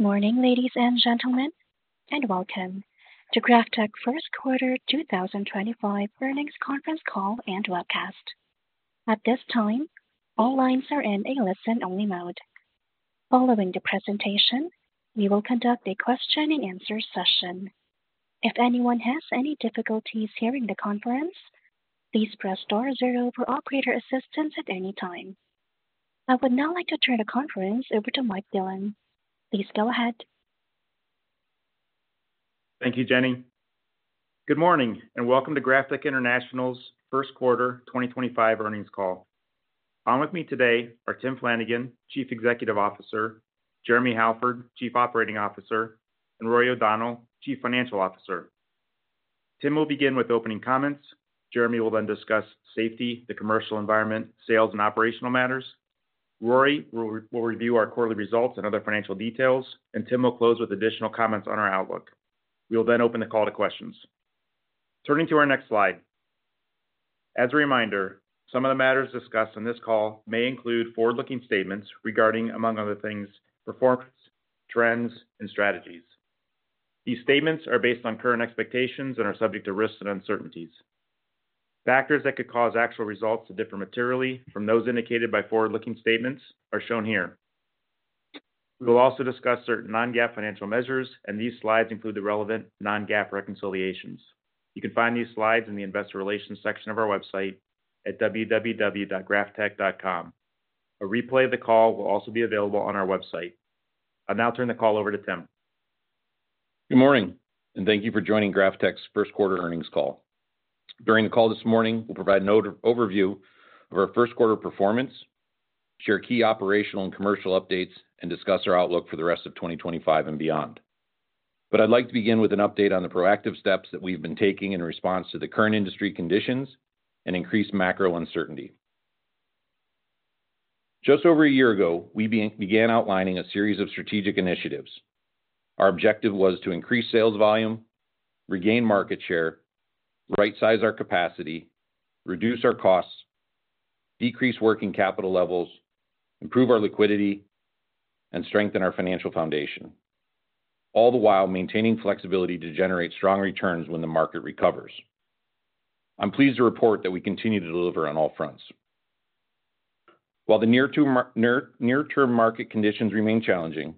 Good Morning, Ladies and Gentlemen, and Welcome to GrafTech Q1 2025 Earnings Conference Call and Webcast. At this time, all lines are in a listen-only mode. Following the presentation, we will conduct a question-and-answer session. If anyone has any difficulties hearing the conference, please press *0 for operator assistance at any time. I would now like to turn the conference over to Mike Dillon. Please go ahead. Thank you, Jenny. Good morning, and welcome to GrafTech International's Q1 2025 earnings call. On with me today are Tim Flanagan, Chief Executive Officer, Jeremy Halford, Chief Operating Officer, and Rory O'Donnell, Chief Financial Officer. Tim will begin with opening comments. Jeremy will then discuss safety, the commercial environment, sales, and operational matters. Rory will review our quarterly results and other financial details, and Tim will close with additional comments on our outlook. We will then open the call to questions. Turning to our next slide. As a reminder, some of the matters discussed in this call may include forward-looking statements regarding, among other things, performance, trends, and strategies. These statements are based on current expectations and are subject to risks and uncertainties. Factors that could cause actual results to differ materially from those indicated by forward-looking statements are shown here. We will also discuss certain non-GAAP financial measures, and these slides include the relevant non-GAAP reconciliations. You can find these slides in the investor relations section of our website at www.graftech.com. A replay of the call will also be available on our website. I'll now turn the call over to Tim. Good morning, and thank you for joining GrafTech's Q1 earnings call. During the call this morning, we'll provide an overview of our Q1 performance, share key operational and commercial updates, and discuss our outlook for the rest of 2025 and beyond. I would like to begin with an update on the proactive steps that we've been taking in response to the current industry conditions and increased macro uncertainty. Just over a year ago, we began outlining a series of strategic initiatives. Our objective was to increase sales volume, regain market share, right-size our capacity, reduce our costs, decrease working capital levels, improve our liquidity, and strengthen our financial foundation, all the while maintaining flexibility to generate strong returns when the market recovers. I'm pleased to report that we continue to deliver on all fronts. While the near-term market conditions remain challenging,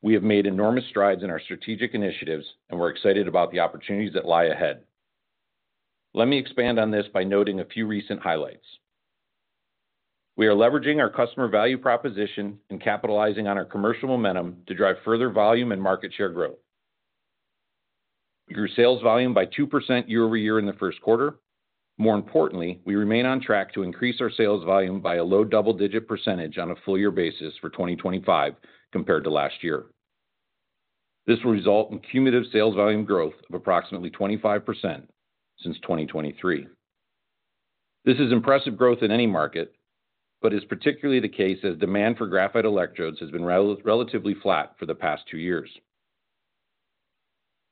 we have made enormous strides in our strategic initiatives, and we're excited about the opportunities that lie ahead. Let me expand on this by noting a few recent highlights. We are leveraging our customer value proposition and capitalizing on our commercial momentum to drive further volume and market share growth. We grew sales volume by 2% year over year in the Q1. More importantly, we remain on track to increase our sales volume by a low double-digit % on a full-year basis for 2025 compared to last year. This will result in cumulative sales volume growth of approximately 25% since 2023. This is impressive growth in any market, but it is particularly the case as demand for graphite electrodes has been relatively flat for the past two years.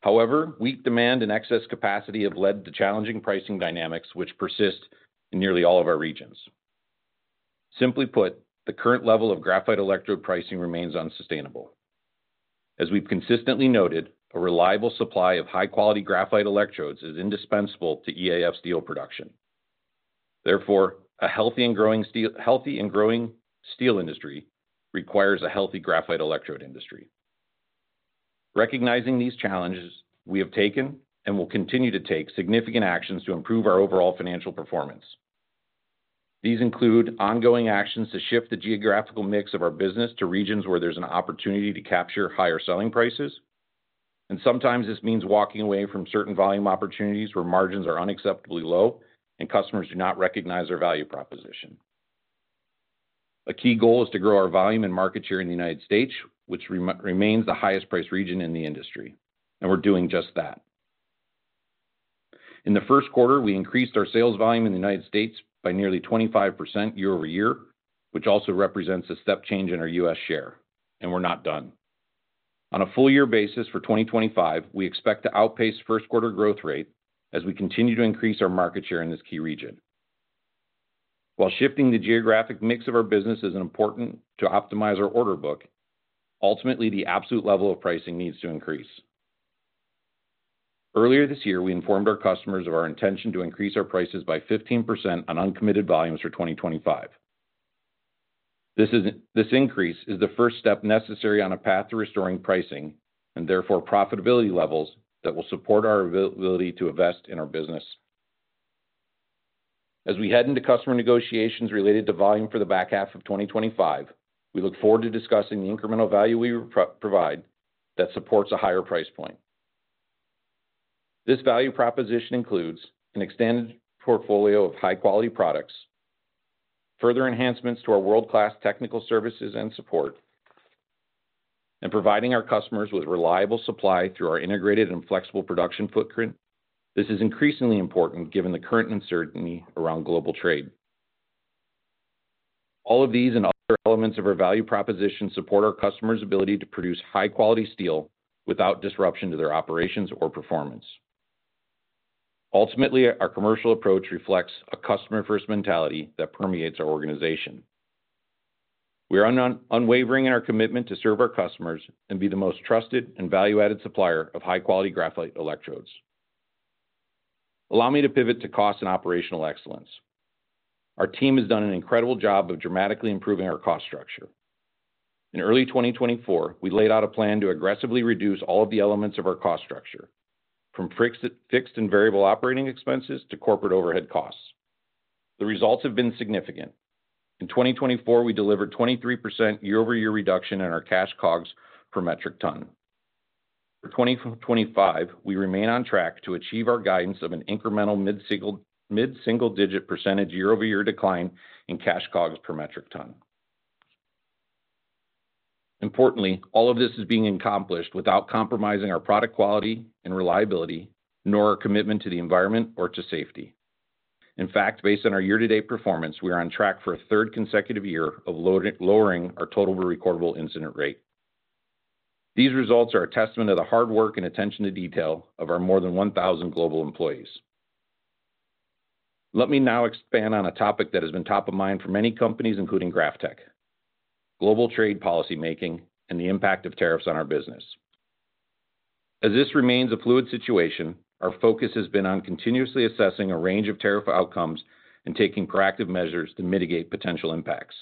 However, weak demand and excess capacity have led to challenging pricing dynamics, which persist in nearly all of our regions. Simply put, the current level of graphite electrode pricing remains unsustainable. As we've consistently noted, a reliable supply of high-quality graphite electrodes is indispensable to EAF steel production. Therefore, a healthy and growing steel industry requires a healthy graphite electrode industry. Recognizing these challenges, we have taken and will continue to take significant actions to improve our overall financial performance. These include ongoing actions to shift the geographical mix of our business to regions where there's an opportunity to capture higher selling prices. Sometimes this means walking away from certain volume opportunities where margins are unacceptably low and customers do not recognize our value proposition. A key goal is to grow our volume and market share in the United States, which remains the highest-priced region in the industry. We are doing just that. In the Q1, we increased our sales volume in the U.S. by nearly 25% year over year, which also represents a step change in our U.S. share. We are not done. On a full-year basis for 2025, we expect to outpace the first-quarter growth rate as we continue to increase our market share in this key region. While shifting the geographic mix of our business is important to optimize our order book, ultimately, the absolute level of pricing needs to increase. Earlier this year, we informed our customers of our intention to increase our prices by 15% on uncommitted volumes for 2025. This increase is the first step necessary on a path to restoring pricing and therefore profitability levels that will support our ability to invest in our business. As we head into customer negotiations related to volume for the back half of 2025, we look forward to discussing the incremental value we provide that supports a higher price point. This value proposition includes an extended portfolio of high-quality products, further enhancements to our world-class technical services and support, and providing our customers with reliable supply through our integrated and flexible production footprint. This is increasingly important given the current uncertainty around global trade. All of these and other elements of our value proposition support our customers' ability to produce high-quality steel without disruption to their operations or performance. Ultimately, our commercial approach reflects a customer-first mentality that permeates our organization. We are unwavering in our commitment to serve our customers and be the most trusted and value-added supplier of high-quality graphite electrodes. Allow me to pivot to cost and operational excellence. Our team has done an incredible job of dramatically improving our cost structure. In early 2024, we laid out a plan to aggressively reduce all of the elements of our cost structure, from fixed and variable operating expenses to corporate overhead costs. The results have been significant. In 2024, we delivered a 23% year-over-year reduction in our cash COGS per metric ton. For 2025, we remain on track to achieve our guidance of an incremental mid-single-digit % year-over-year decline in cash COGS per metric ton. Importantly, all of this is being accomplished without compromising our product quality and reliability, nor our commitment to the environment or to safety. In fact, based on our year-to-date performance, we are on track for a third consecutive year of lowering our total recordable incident rate. These results are a testament to the hard work and attention to detail of our more than 1,000 global employees. Let me now expand on a topic that has been top of mind for many companies, including GrafTech: global trade policymaking and the impact of tariffs on our business. As this remains a fluid situation, our focus has been on continuously assessing a range of tariff outcomes and taking proactive measures to mitigate potential impacts.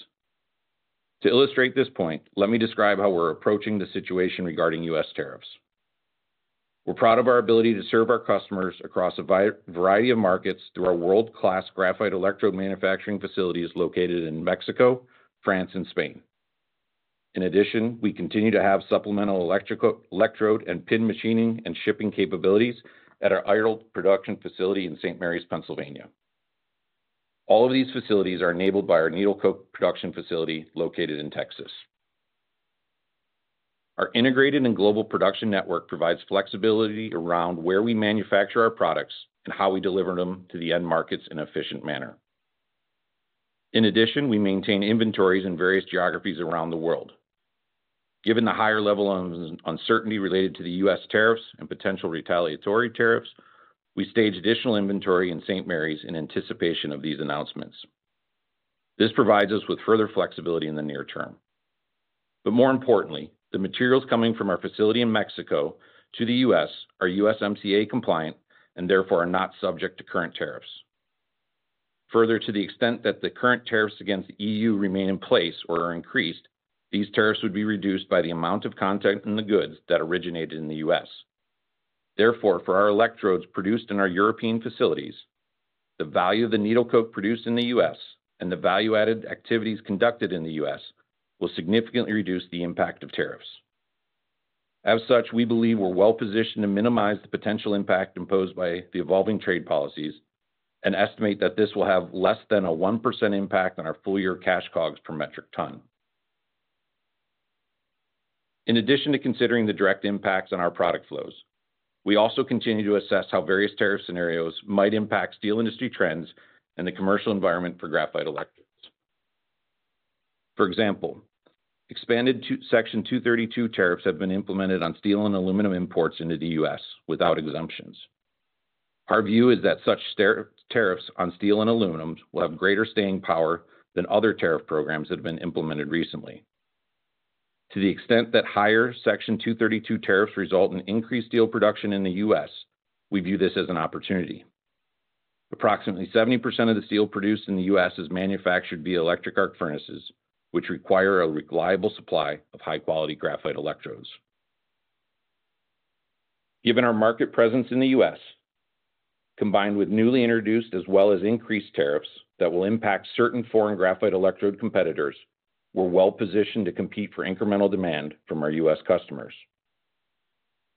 To illustrate this point, let me describe how we're approaching the situation regarding U.S. tariffs. We're proud of our ability to serve our customers across a variety of markets through our world-class graphite electrode manufacturing facilities located in Mexico, France, and Spain. In addition, we continue to have supplemental electrode and pin machining and shipping capabilities at our idle production facility in St. Marys, Pennsylvania. All of these facilities are enabled by our needle coke production facility located in Texas. Our integrated and global production network provides flexibility around where we manufacture our products and how we deliver them to the end markets in an efficient manner. In addition, we maintain inventories in various geographies around the world. Given the higher level of uncertainty related to the U.S. tariffs and potential retaliatory tariffs, we staged additional inventory in St. Marys in anticipation of these announcements. This provides us with further flexibility in the near term. More importantly, the materials coming from our facility in Mexico to the U.S. are USMCA compliant and therefore are not subject to current tariffs. Further, to the extent that the current tariffs against the EU remain in place or are increased, these tariffs would be reduced by the amount of content in the goods that originated in the U.S. Therefore, for our electrodes produced in our European facilities, the value of the needle coke produced in the U.S. and the value-added activities conducted in the U.S. will significantly reduce the impact of tariffs. As such, we believe we're well-positioned to minimize the potential impact imposed by the evolving trade policies and estimate that this will have less than a 1% impact on our full-year cash COGS per metric ton. In addition to considering the direct impacts on our product flows, we also continue to assess how various tariff scenarios might impact steel industry trends and the commercial environment for graphite electrodes. For example, expanded Section 232 tariffs have been implemented on steel and aluminum imports into the U.S. without exemptions. Our view is that such tariffs on steel and aluminum will have greater staying power than other tariff programs that have been implemented recently. To the extent that higher Section 232 tariffs result in increased steel production in the U.S., we view this as an opportunity. Approximately 70% of the steel produced in the U.S. is manufactured via electric arc furnaces, which require a reliable supply of high-quality graphite electrodes. Given our market presence in the U.S., combined with newly introduced as well as increased tariffs that will impact certain foreign graphite electrode competitors, we're well-positioned to compete for incremental demand from our U.S. customers.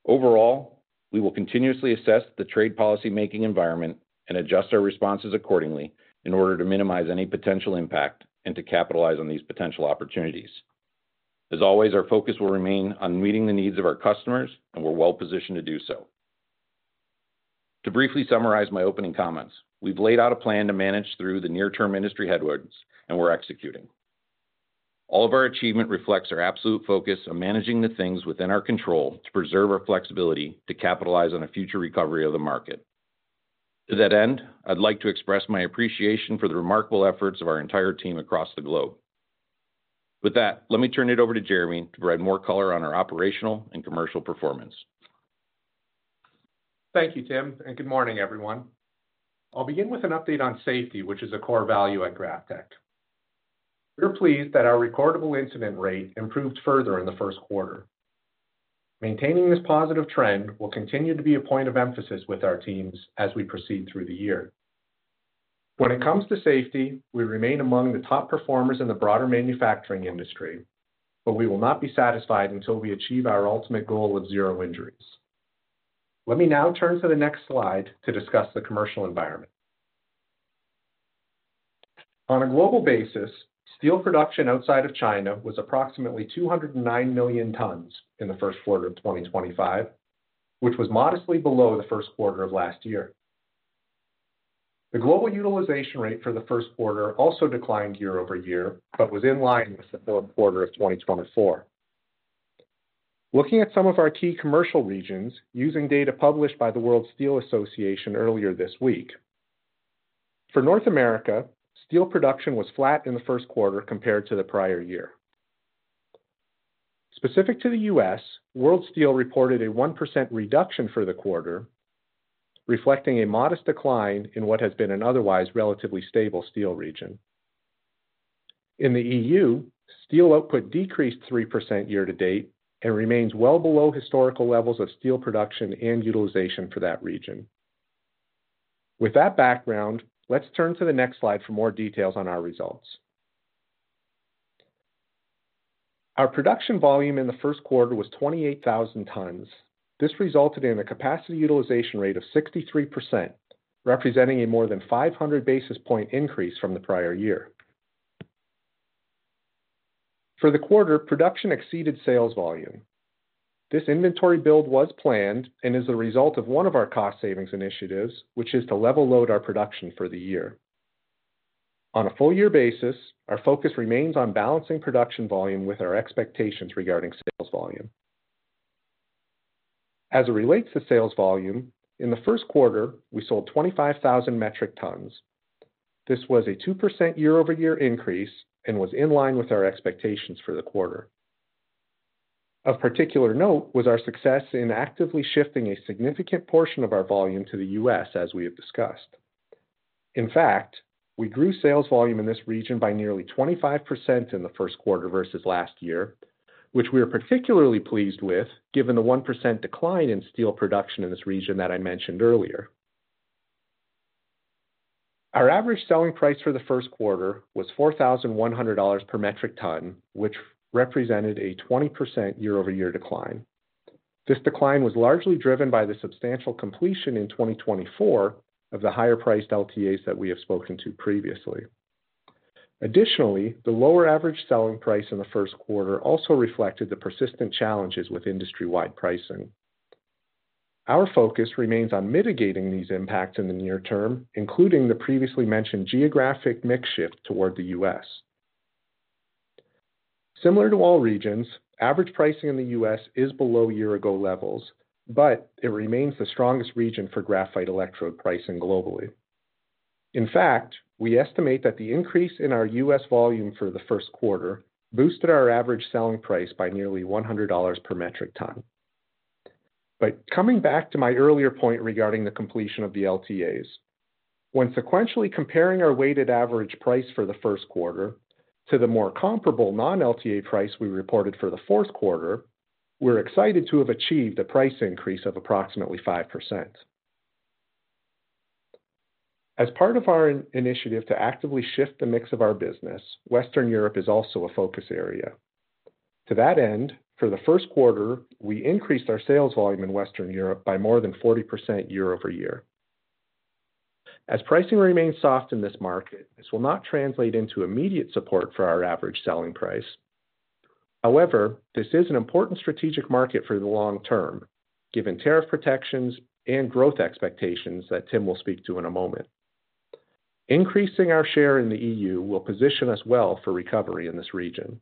Overall, we will continuously assess the trade policymaking environment and adjust our responses accordingly in order to minimize any potential impact and to capitalize on these potential opportunities. As always, our focus will remain on meeting the needs of our customers, and we're well-positioned to do so. To briefly summarize my opening comments, we've laid out a plan to manage through the near-term industry headwinds, and we're executing. All of our achievement reflects our absolute focus on managing the things within our control to preserve our flexibility to capitalize on a future recovery of the market. To that end, I'd like to express my appreciation for the remarkable efforts of our entire team across the globe. With that, let me turn it over to Jeremy to provide more color on our operational and commercial performance. Thank you, Tim, and good morning, everyone. I'll begin with an update on safety, which is a core value at GrafTech. We're pleased that our recordable incident rate improved further in the Q1. Maintaining this positive trend will continue to be a point of emphasis with our teams as we proceed through the year. When it comes to safety, we remain among the top performers in the broader manufacturing industry, but we will not be satisfied until we achieve our ultimate goal of zero injuries. Let me now turn to the next slide to discuss the commercial environment. On a global basis, steel production outside of China was approximately 209 million tons in the Q1 of 2025, which was modestly below the Q1 of last year. The global utilization rate for the Q1 also declined year over year, but was in line with the Q4 of 2024. Looking at some of our key commercial regions, using data published by the World Steel Association earlier this week, for North America, steel production was flat in the Q1 compared to the prior year. Specific to the U.S., World Steel reported a 1% reduction for the quarter, reflecting a modest decline in what has been an otherwise relatively stable steel region. In the EU, steel output decreased 3% year to date and remains well below historical levels of steel production and utilization for that region. With that background, let's turn to the next slide for more details on our results. Our production volume in the Q1 was 28,000 tons. This resulted in a capacity utilization rate of 63%, representing a more than 500 basis point increase from the prior year. For the quarter, production exceeded sales volume. This inventory build was planned and is the result of one of our cost savings initiatives, which is to level load our production for the year. On a full-year basis, our focus remains on balancing production volume with our expectations regarding sales volume. As it relates to sales volume, in the Q1, we sold 25,000 metric tons. This was a 2% year-over-year increase and was in line with our expectations for the quarter. Of particular note was our success in actively shifting a significant portion of our volume to the U.S., as we have discussed. In fact, we grew sales volume in this region by nearly 25% in the Q1 versus last year, which we are particularly pleased with given the 1% decline in steel production in this region that I mentioned earlier. Our average selling price for the Q1 was $4,100 per metric ton, which represented a 20% year-over-year decline. This decline was largely driven by the substantial completion in 2024 of the higher-priced LTAs that we have spoken to previously. Additionally, the lower average selling price in the Q1 also reflected the persistent challenges with industry-wide pricing. Our focus remains on mitigating these impacts in the near term, including the previously mentioned geographic mix shift toward the U.S. Similar to all regions, average pricing in the U.S. is below year-ago levels, but it remains the strongest region for graphite electrode pricing globally. In fact, we estimate that the increase in our U.S. volume for the Q1 boosted our average selling price by nearly $100 per metric ton. Coming back to my earlier point regarding the completion of the LTAs, when sequentially comparing our weighted average price for the Q1 to the more comparable non-LTA price we reported for the Q4, we're excited to have achieved a price increase of approximately 5%. As part of our initiative to actively shift the mix of our business, Western Europe is also a focus area. To that end, for the Q1, we increased our sales volume in Western Europe by more than 40% year-over-year. As pricing remains soft in this market, this will not translate into immediate support for our average selling price. However, this is an important strategic market for the long term, given tariff protections and growth expectations that Tim will speak to in a moment. Increasing our share in the EU will position us well for recovery in this region.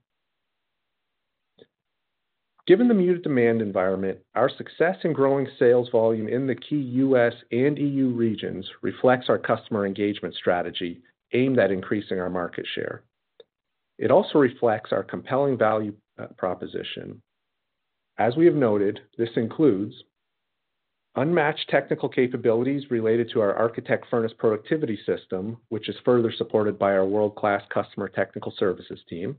Given the muted demand environment, our success in growing sales volume in the key U.S. and EU regions reflects our customer engagement strategy aimed at increasing our market share. It also reflects our compelling value proposition. As we have noted, this includes unmatched technical capabilities related to our ArchiTech furnace productivity system, which is further supported by our world-class Customer Technical Services team,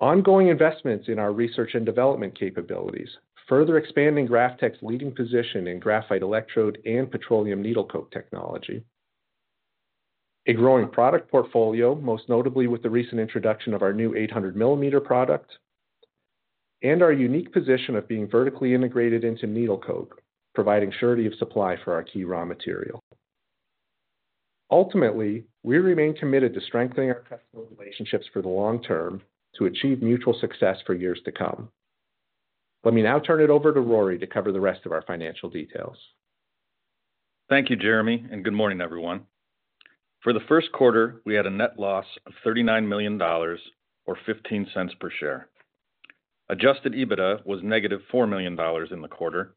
ongoing investments in our research and development capabilities, further expanding GrafTech's leading position in graphite electrode and petroleum needle coke technology, a growing product portfolio, most notably with the recent introduction of our new 800-millimeter product, and our unique position of being vertically integrated into needle coke, providing surety of supply for our key raw material. Ultimately, we remain committed to strengthening our customer relationships for the long term to achieve mutual success for years to come. Let me now turn it over to Rory to cover the rest of our financial details. Thank you, Jeremy, and good morning, everyone. For the Q1, we had a net loss of $39 million, or $0.15 per share. Adjusted EBITDA was negative $4 million in the quarter,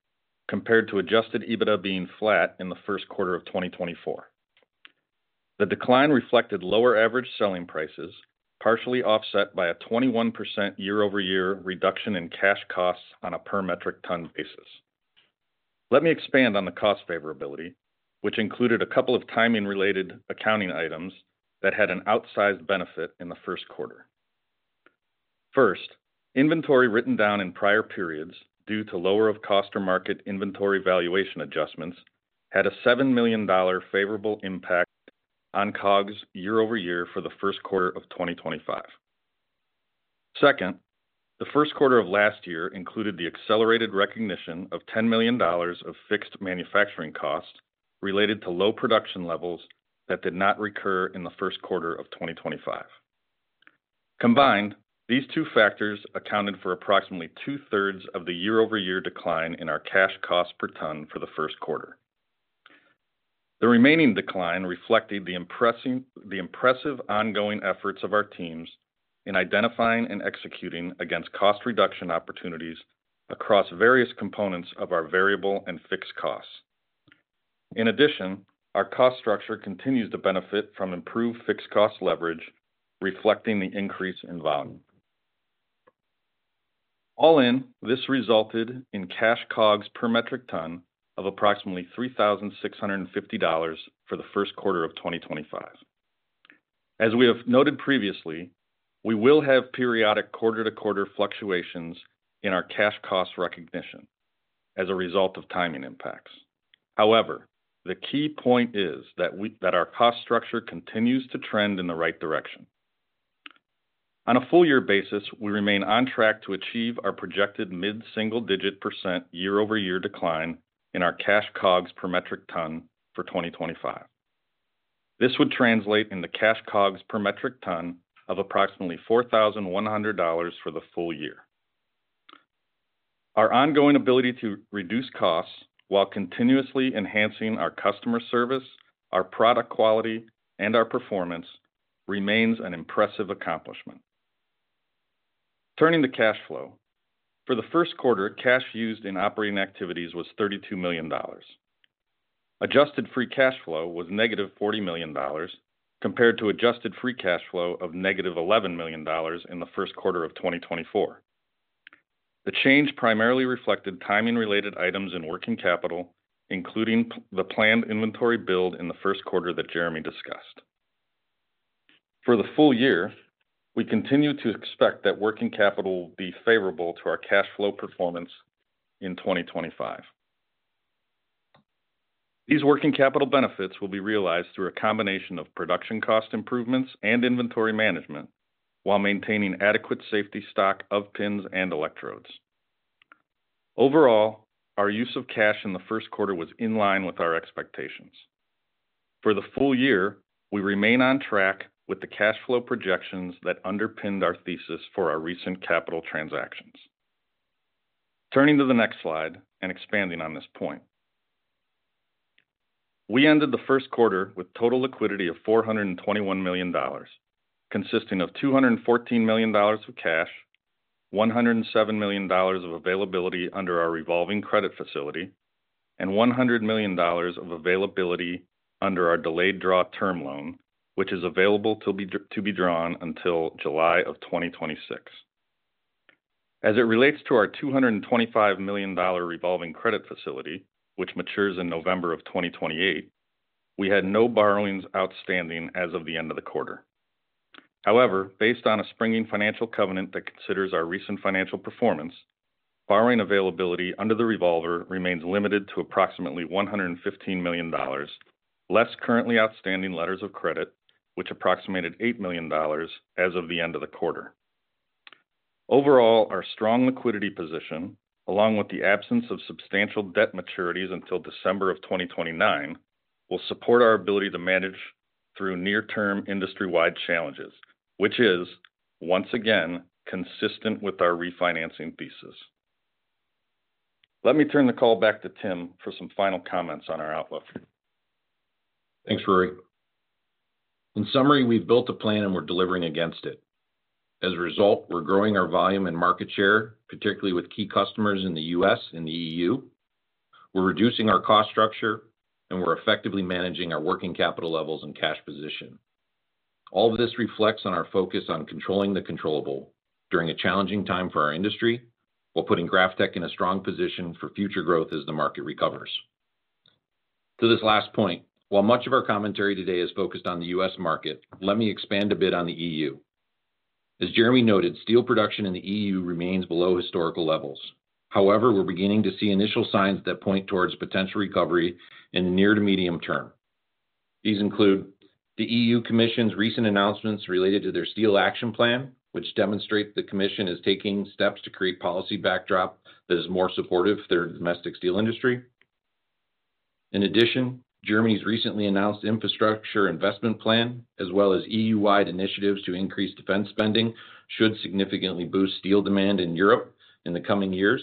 compared to adjusted EBITDA being flat in the Q1 of 2024. The decline reflected lower average selling prices, partially offset by a 21% year-over-year reduction in cash costs on a per metric ton basis. Let me expand on the cost favorability, which included a couple of timing-related accounting items that had an outsized benefit in the Q1. First, inventory written down in prior periods due to lower-of-cost-or-market inventory valuation adjustments had a $7 million favorable impact on COGS year-over-year for the Q1 of 2025. Second, the Q1 of last year included the accelerated recognition of $10 million of fixed manufacturing costs related to low production levels that did not recur in the Q1 of 2025. Combined, these two factors accounted for approximately two-thirds of the year-over-year decline in our cash costs per ton for the Q1. The remaining decline reflected the impressive ongoing efforts of our teams in identifying and executing against cost reduction opportunities across various components of our variable and fixed costs. In addition, our cost structure continues to benefit from improved fixed cost leverage, reflecting the increase in volume. All in, this resulted in cash COGS per metric ton of approximately $3,650 for the Q1 of 2025. As we have noted previously, we will have periodic quarter-to-quarter fluctuations in our cash cost recognition as a result of timing impacts. However, the key point is that our cost structure continues to trend in the right direction. On a full-year basis, we remain on track to achieve our projected mid-single-digit % year-over-year decline in our cash COGS per metric ton for 2025. This would translate in the cash COGS per metric ton of approximately $4,100 for the full year. Our ongoing ability to reduce costs while continuously enhancing our customer service, our product quality, and our performance remains an impressive accomplishment. Turning to cash flow, for the Q1, cash used in operating activities was $32 million. Adjusted free cash flow was negative $40 million, compared to adjusted free cash flow of negative $11 million in the Q1 of 2024. The change primarily reflected timing-related items in working capital, including the planned inventory build in the Q1 that Jeremy discussed. For the full year, we continue to expect that working capital will be favorable to our cash flow performance in 2025. These working capital benefits will be realized through a combination of production cost improvements and inventory management while maintaining adequate safety stock of pins and electrodes. Overall, our use of cash in the Q1 was in line with our expectations. For the full year, we remain on track with the cash flow projections that underpinned our thesis for our recent capital transactions. Turning to the next slide and expanding on this point, we ended the Q1 with total liquidity of $421 million, consisting of $214 million of cash, $107 million of availability under our revolving credit facility, and $100 million of availability under our delayed draw term loan, which is available to be drawn until July of 2026. As it relates to our $225 million revolving credit facility, which matures in November of 2028, we had no borrowings outstanding as of the end of the quarter. However, based on a springing financial covenant that considers our recent financial performance, borrowing availability under the revolver remains limited to approximately $115 million, less currently outstanding letters of credit, which approximated $8 million as of the end of the quarter. Overall, our strong liquidity position, along with the absence of substantial debt maturities until December of 2029, will support our ability to manage through near-term industry-wide challenges, which is, once again, consistent with our refinancing thesis. Let me turn the call back to Tim for some final comments on our outlook. Thanks, Rory. In summary, we've built a plan and we're delivering against it. As a result, we're growing our volume and market share, particularly with key customers in the U.S. and the EU. We're reducing our cost structure, and we're effectively managing our working capital levels and cash position. All of this reflects on our focus on controlling the controllable during a challenging time for our industry while putting GrafTech in a strong position for future growth as the market recovers. To this last point, while much of our commentary today is focused on the U.S. market, let me expand a bit on the EU. As Jeremy noted, steel production in the EU remains below historical levels. However, we're beginning to see initial signs that point towards potential recovery in the near to medium term. These include the EU Commission's recent announcements related to their Steel Action Plan, which demonstrate the Commission is taking steps to create a policy backdrop that is more supportive of their domestic steel industry. In addition, Germany's recently announced infrastructure investment plan, as well as EU-wide initiatives to increase defense spending, should significantly boost steel demand in Europe in the coming years.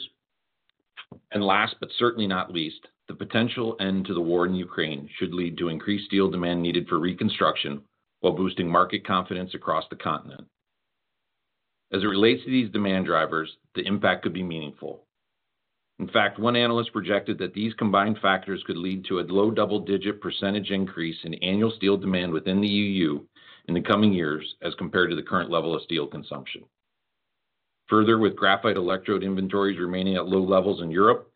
Last, but certainly not least, the potential end to the war in Ukraine should lead to increased steel demand needed for reconstruction while boosting market confidence across the continent. As it relates to these demand drivers, the impact could be meaningful. In fact, one analyst projected that these combined factors could lead to a low double-digit % increase in annual steel demand within the EU in the coming years as compared to the current level of steel consumption. Further, with graphite electrode inventories remaining at low levels in Europe,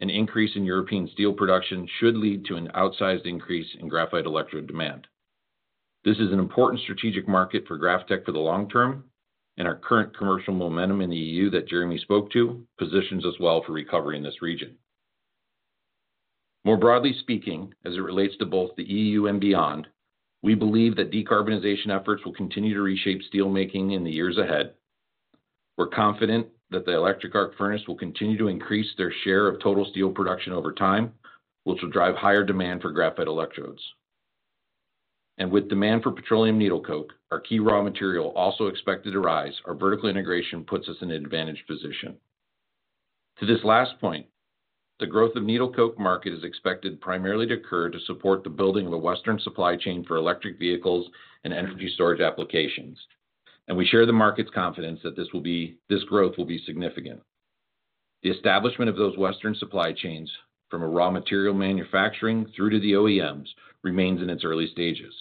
an increase in European steel production should lead to an outsized increase in graphite electrode demand. This is an important strategic market for GrafTech for the long term, and our current commercial momentum in the EU that Jeremy spoke to positions us well for recovery in this region. More broadly speaking, as it relates to both the EU and beyond, we believe that decarbonization efforts will continue to reshape steelmaking in the years ahead. We're confident that the electric arc furnace will continue to increase their share of total steel production over time, which will drive higher demand for graphite electrodes. With demand for petroleum needle coke, our key raw material, also expected to rise, our vertical integration puts us in an advantaged position. To this last point, the growth of needle coke market is expected primarily to occur to support the building of a Western supply chain for electric vehicles and energy storage applications, and we share the market's confidence that this growth will be significant. The establishment of those Western supply chains, from raw material manufacturing through to the OEMs, remains in its early stages.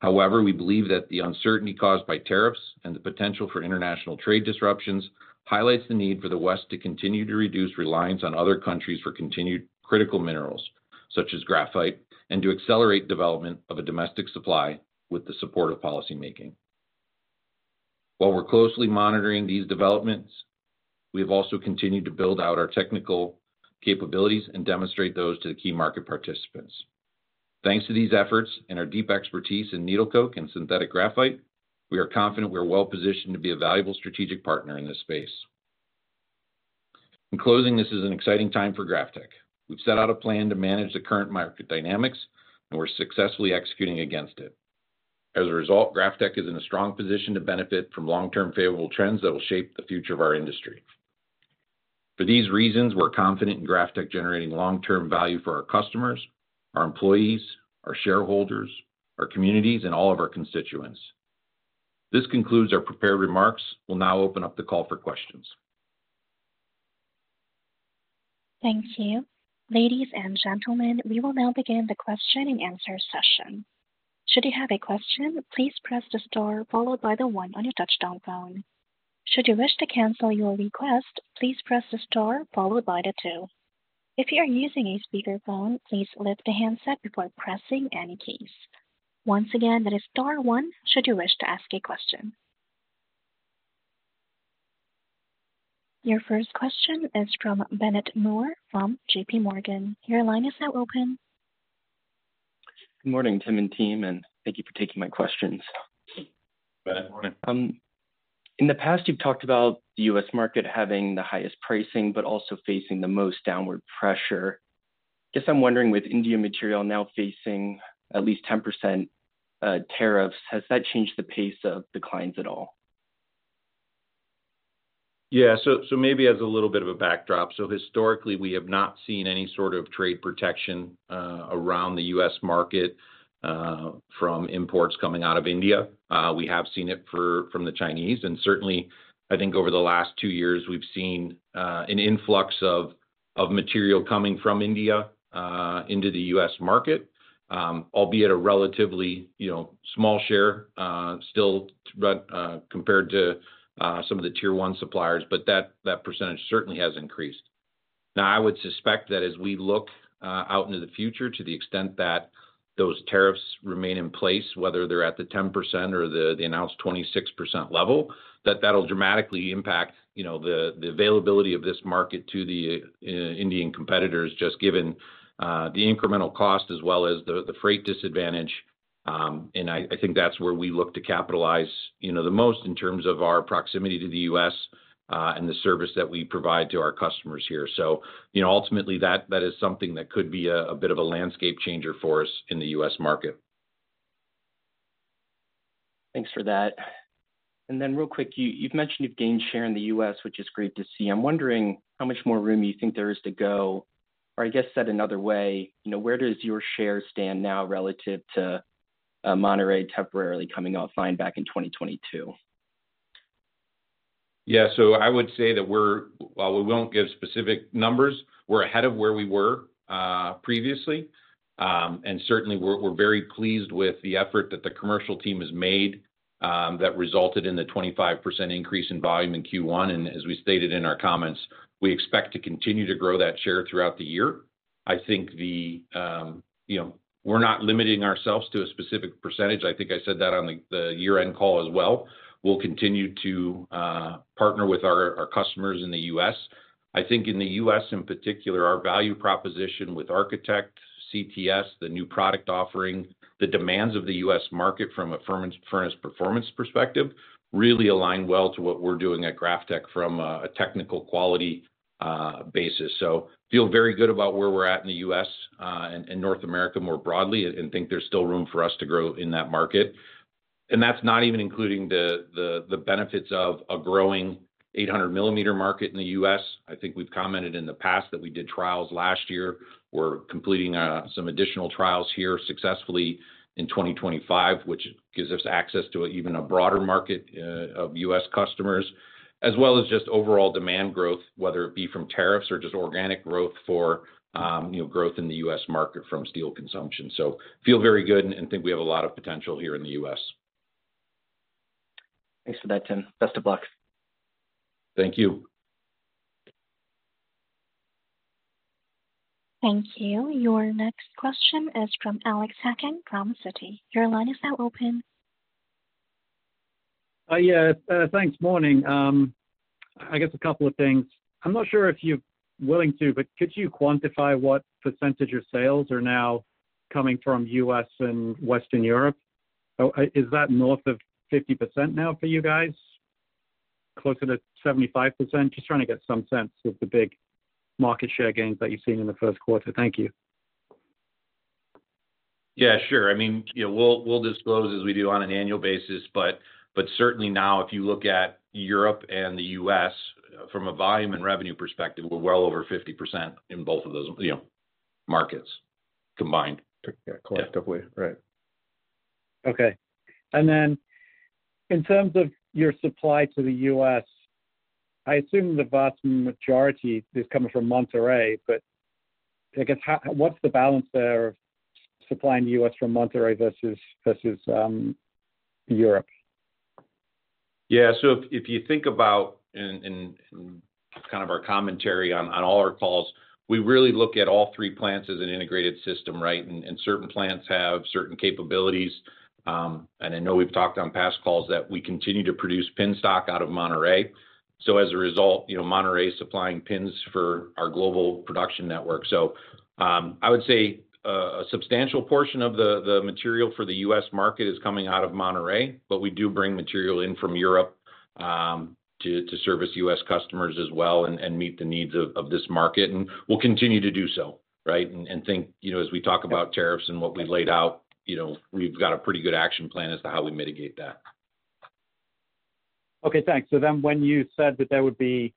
However, we believe that the uncertainty caused by tariffs and the potential for international trade disruptions highlights the need for the West to continue to reduce reliance on other countries for continued critical minerals, such as graphite, and to accelerate development of a domestic supply with the support of policymaking. While we're closely monitoring these developments, we have also continued to build out our technical capabilities and demonstrate those to the key market participants. Thanks to these efforts and our deep expertise in needle coke and synthetic graphite, we are confident we are well-positioned to be a valuable strategic partner in this space. In closing, this is an exciting time for GrafTech. We've set out a plan to manage the current market dynamics, and we're successfully executing against it. As a result, GrafTech is in a strong position to benefit from long-term favorable trends that will shape the future of our industry. For these reasons, we're confident in GrafTech generating long-term value for our customers, our employees, our shareholders, our communities, and all of our constituents. This concludes our prepared remarks. We'll now open up the call for questions. Thank you. Ladies and gentlemen, we will now begin the question and answer session. Should you have a question, please press the star followed by the one on your touch-tone phone. Should you wish to cancel your request, please press the star followed by the two. If you are using a speakerphone, please lift the handset before pressing any keys. Once again, that is star one should you wish to ask a question. Your first question is from Bennett Moore from JPMorgan. Your line is now open. Good morning, Tim and team, and thank you for taking my questions. Good morning. In the past, you've talked about the U.S. market having the highest pricing, but also facing the most downward pressure. I guess I'm wondering, with India material now facing at least 10% tariffs, has that changed the pace of declines at all? Yeah, maybe as a little bit of a backdrop, historically, we have not seen any sort of trade protection around the U.S. market from imports coming out of India. We have seen it from the Chinese, and certainly, I think over the last two years, we've seen an influx of material coming from India into the U.S. market, albeit a relatively small share still compared to some of the tier-one suppliers, but that percentage certainly has increased. Now, I would suspect that as we look out into the future, to the extent that those tariffs remain in place, whether they're at the 10% or the announced 26% level, that will dramatically impact the availability of this market to the Indian competitors, just given the incremental cost as well as the freight disadvantage. I think that's where we look to capitalize the most in terms of our proximity to the U.S. and the service that we provide to our customers here. Ultimately, that is something that could be a bit of a landscape changer for us in the U.S. market. Thanks for that. Real quick, you've mentioned you've gained share in the U.S., which is great to see. I'm wondering how much more room you think there is to go, or I guess said another way, where does your share stand now relative to Monterrey temporarily coming off line back in 2022? Yeah, I would say that we're, while we won't give specific numbers, we're ahead of where we were previously. Certainly, we're very pleased with the effort that the commercial team has made that resulted in the 25% increase in volume in Q1. As we stated in our comments, we expect to continue to grow that share throughout the year. I think we're not limiting ourselves to a specific percentage. I think I said that on the year-end call as well. We'll continue to partner with our customers in the U.S. I think in the U.S., in particular, our value proposition with ArchiTech, CTS, the new product offering, the demands of the U.S. market from a furnace performance perspective really align well to what we're doing at GrafTech from a technical quality basis. I feel very good about where we're at in the U.S. North America more broadly and think there's still room for us to grow in that market. That's not even including the benefits of a growing 800-millimeter market in the U.S. I think we've commented in the past that we did trials last year. We're completing some additional trials here successfully in 2025, which gives us access to even a broader market of U.S. customers, as well as just overall demand growth, whether it be from tariffs or just organic growth for growth in the U.S. market from steel consumption. I feel very good and think we have a lot of potential here in the U.S. Thanks for that, Tim. Best of luck. Thank you. Thank you. Your next question is from Alex Hacking from Citi. Your line is now open. Yeah, thanks. Morning. I guess a couple of things. I'm not sure if you're willing to, but could you quantify what percentage of sales are now coming from the U.S. and Western Europe? Is that north of 50% now for you guys? Closer to 75%? Just trying to get some sense of the big market share gains that you've seen in the Q1. Thank you. Yeah, sure. I mean, we'll disclose as we do on an annual basis, but certainly now, if you look at Europe and the U.S., from a volume and revenue perspective, we're well over 50% in both of those markets combined. Correct. Collectively, right. Okay. In terms of your supply to the U.S., I assume the vast majority is coming from Monterrey, but I guess what's the balance there of supplying the U.S. from Monterrey versus Europe? Yeah. If you think about kind of our commentary on all our calls, we really look at all three plants as an integrated system, right? Certain plants have certain capabilities. I know we've talked on past calls that we continue to produce pin stock out of Monterrey. As a result, Monterrey is supplying pins for our global production network. I would say a substantial portion of the material for the U.S. market is coming out of Monterrey, but we do bring material in from Europe to service U.S. customers as well and meet the needs of this market. We will continue to do so, right? As we talk about tariffs and what we laid out, we've got a pretty good action plan as to how we mitigate that. Okay. Thanks. When you said that there would be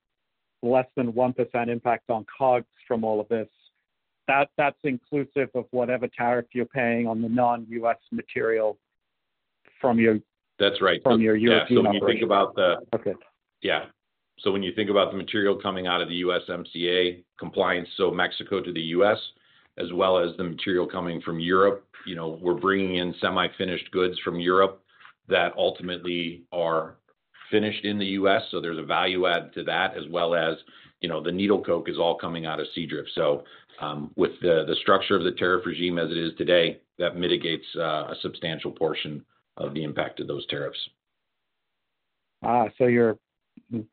less than 1% impact on COGS from all of this, that's inclusive of whatever tariff you're paying on the non-U.S. material from your. That's right. From your U.S. market. When you think about the. Okay. Yeah. When you think about the material coming out of the USMCA compliance, so Mexico to the U.S., as well as the material coming from Europe, we're bringing in semi-finished goods from Europe that ultimately are finished in the U.S. There is a value add to that, as well as the needle coke is all coming out of Seadrift. With the structure of the tariff regime as it is today, that mitigates a substantial portion of the impact of those tariffs.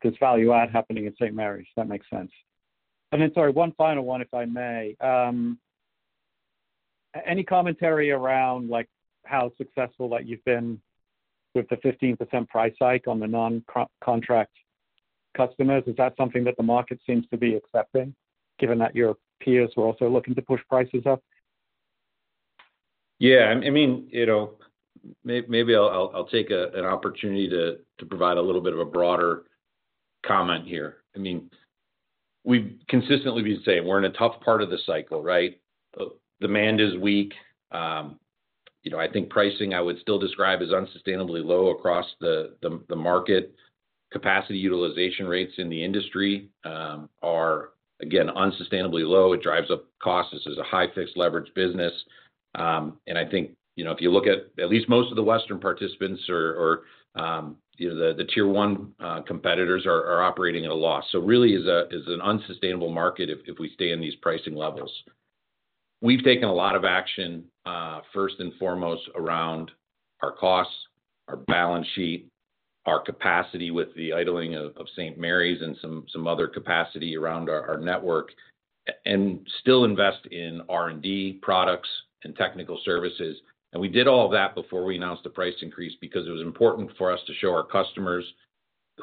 This value add happening in St. Marys. That makes sense. Sorry, one final one, if I may. Any commentary around how successful that you've been with the 15% price hike on the non-contract customers? Is that something that the market seems to be accepting, given that your peers were also looking to push prices up? Yeah. I mean, maybe I'll take an opportunity to provide a little bit of a broader comment here. I mean, we've consistently been saying we're in a tough part of the cycle, right? Demand is weak. I think pricing, I would still describe as unsustainably low across the market. Capacity utilization rates in the industry are, again, unsustainably low. It drives up costs. This is a high-fixed leverage business. I think if you look at at least most of the Western participants or the tier-one competitors are operating at a loss. Really, it's an unsustainable market if we stay in these pricing levels. We've taken a lot of action, first and foremost, around our costs, our balance sheet, our capacity with the idling of St. Marys and some other capacity around our network, and still invest in R&D products and technical services. We did all of that before we announced the price increase because it was important for us to show our customers,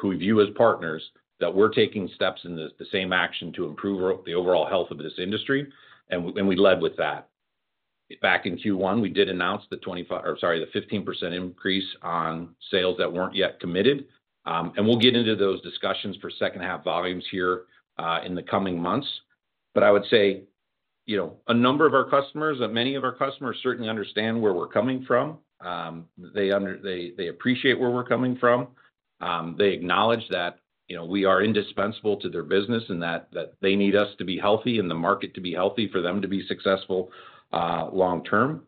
who we view as partners, that we're taking steps in the same action to improve the overall health of this industry. We led with that. Back in Q1, we did announce the 25 or sorry, the 15% increase on sales that weren't yet committed. We'll get into those discussions for second-half volumes here in the coming months. I would say a number of our customers, many of our customers certainly understand where we're coming from. They appreciate where we're coming from. They acknowledge that we are indispensable to their business and that they need us to be healthy and the market to be healthy for them to be successful long-term.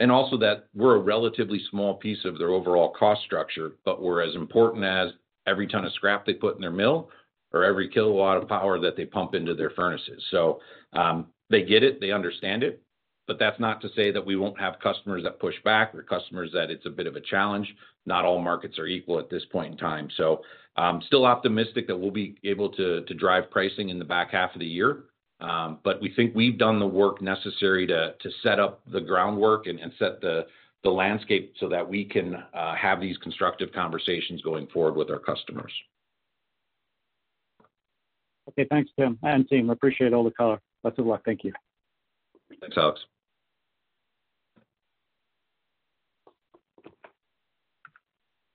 We're a relatively small piece of their overall cost structure, but we're as important as every ton of scrap they put in their mill or every kilowatt of power that they pump into their furnaces. They get it. They understand it. That's not to say that we won't have customers that push back or customers that it's a bit of a challenge. Not all markets are equal at this point in time. Still optimistic that we'll be able to drive pricing in the back half of the year. We think we've done the work necessary to set up the groundwork and set the landscape so that we can have these constructive conversations going forward with our customers. Okay. Thanks, Tim and team. Appreciate all the color. Best of luck. Thank you. Thanks, Alex.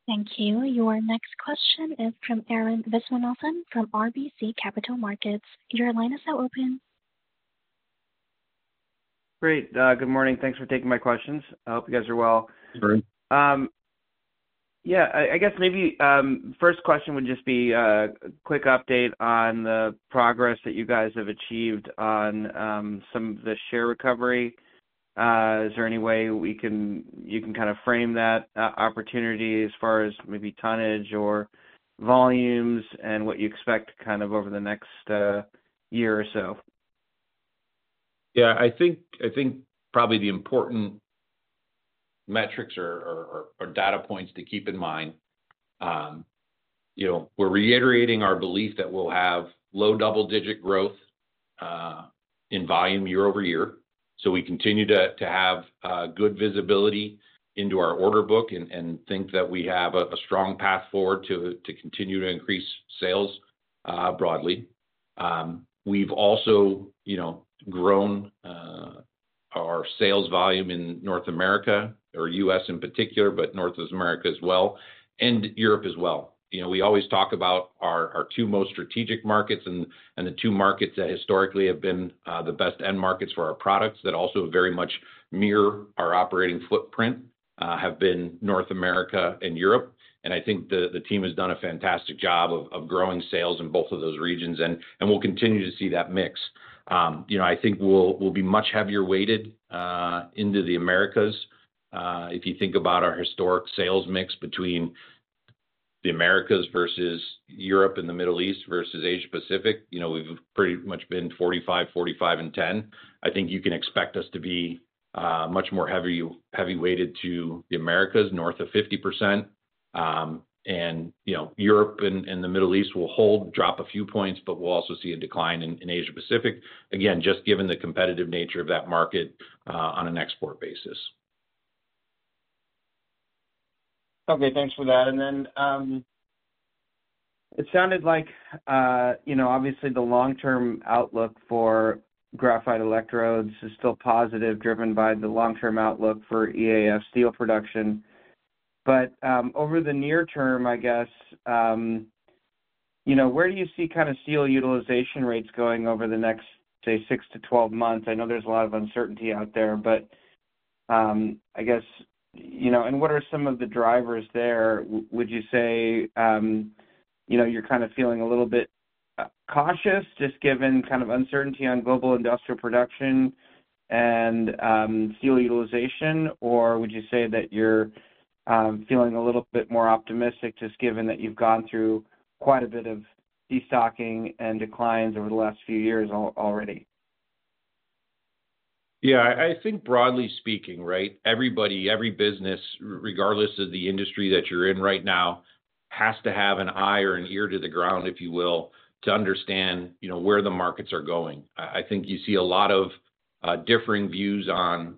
Thank you. Your next question is from Arun Viswanathan from RBC Capital Markets. Your line is now open. Great. Good morning. Thanks for taking my questions. I hope you guys are well. Good morning. Yeah. I guess maybe first question would just be a quick update on the progress that you guys have achieved on some of the share recovery. Is there any way you can kind of frame that opportunity as far as maybe tonnage or volumes and what you expect kind of over the next year or so? Yeah. I think probably the important metrics or data points to keep in mind, we're reiterating our belief that we'll have low double-digit growth in volume year over year. We continue to have good visibility into our order book and think that we have a strong path forward to continue to increase sales broadly. We've also grown our sales volume in North America or U.S. in particular, but North America as well, and Europe as well. We always talk about our two most strategic markets and the two markets that historically have been the best end markets for our products that also very much mirror our operating footprint have been North America and Europe. I think the team has done a fantastic job of growing sales in both of those regions, and we'll continue to see that mix. I think we'll be much heavier weighted into the Americas. If you think about our historic sales mix between the Americas versus Europe and the Middle East versus Asia-Pacific, we've pretty much been 45, 45, and 10. I think you can expect us to be much more heavy weighted to the Americas, north of 50%. Europe and the Middle East will hold, drop a few points, but we'll also see a decline in Asia-Pacific, again, just given the competitive nature of that market on an export basis. Okay. Thanks for that. It sounded like obviously the long-term outlook for graphite electrodes is still positive, driven by the long-term outlook for EAF steel production. Over the near term, I guess, where do you see kind of steel utilization rates going over the next, say, 6 to 12 months? I know there's a lot of uncertainty out there, but I guess, what are some of the drivers there? Would you say you're kind of feeling a little bit cautious just given kind of uncertainty on global industrial production and steel utilization, or would you say that you're feeling a little bit more optimistic just given that you've gone through quite a bit of destocking and declines over the last few years already? Yeah. I think broadly speaking, right, everybody, every business, regardless of the industry that you're in right now, has to have an eye or an ear to the ground, if you will, to understand where the markets are going. I think you see a lot of differing views on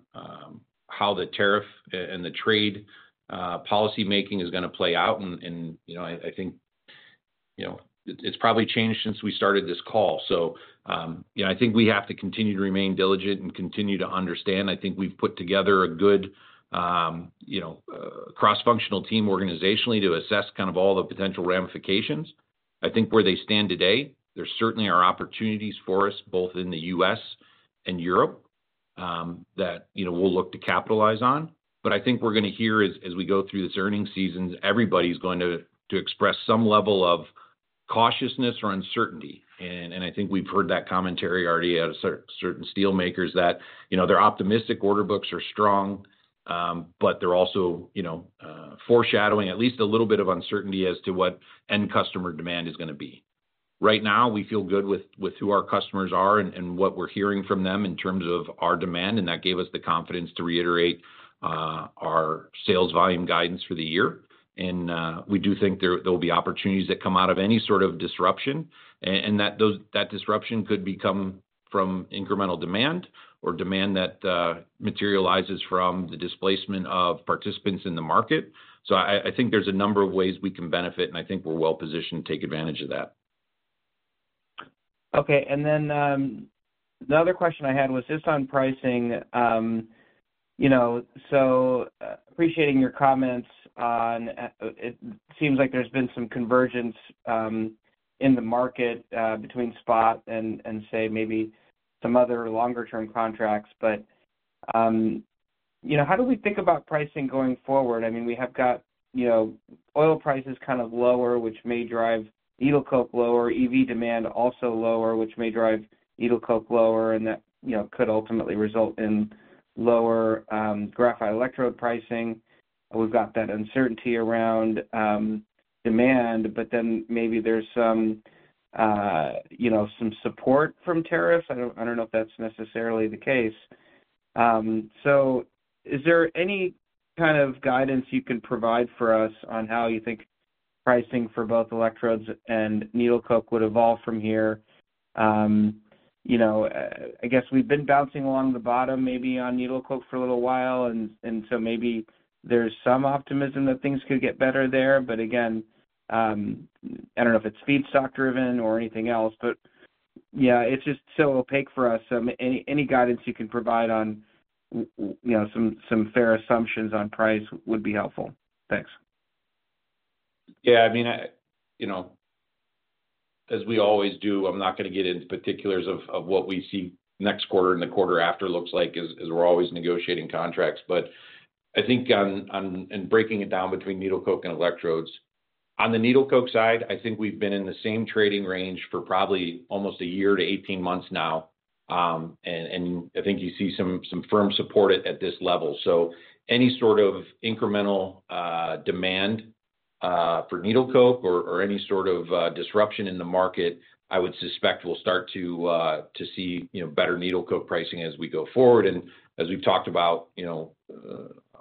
how the tariff and the trade policymaking is going to play out. I think it's probably changed since we started this call. I think we have to continue to remain diligent and continue to understand. I think we've put together a good cross-functional team organizationally to assess kind of all the potential ramifications. I think where they stand today, there certainly are opportunities for us both in the U.S. and Europe that we'll look to capitalize on. I think we're going to hear as we go through this earning season, everybody's going to express some level of cautiousness or uncertainty. I think we've heard that commentary already at certain steelmakers that they're optimistic. Order books are strong, but they're also foreshadowing at least a little bit of uncertainty as to what end customer demand is going to be. Right now, we feel good with who our customers are and what we're hearing from them in terms of our demand. That gave us the confidence to reiterate our sales volume guidance for the year. We do think there will be opportunities that come out of any sort of disruption, and that disruption could come from incremental demand or demand that materializes from the displacement of participants in the market. I think there's a number of ways we can benefit, and I think we're well-positioned to take advantage of that. Okay. The other question I had was just on pricing. Appreciating your comments, it seems like there's been some convergence in the market between spot and, say, maybe some other longer-term contracts. How do we think about pricing going forward? I mean, we have got oil prices kind of lower, which may drive needle coke lower, EV demand also lower, which may drive needle coke lower, and that could ultimately result in lower graphite electrode pricing. We have that uncertainty around demand, but then maybe there's some support from tariffs. I do not know if that's necessarily the case. Is there any kind of guidance you can provide for us on how you think pricing for both electrodes and needle coke would evolve from here? I guess we've been bouncing along the bottom maybe on needle coke for a little while, and so maybe there's some optimism that things could get better there. Again, I don't know if it's feedstock-driven or anything else, but yeah, it's just so opaque for U.S. Any guidance you can provide on some fair assumptions on price would be helpful. Thanks. Yeah. I mean, as we always do, I'm not going to get into particulars of what we see next quarter and the quarter after looks like as we're always negotiating contracts. I think in breaking it down between needle coke and electrodes, on the needle coke side, I think we've been in the same trading range for probably almost a year to 18 months now. I think you see some firm support at this level. Any sort of incremental demand for needle coke or any sort of disruption in the market, I would suspect we'll start to see better needle coke pricing as we go forward. As we've talked about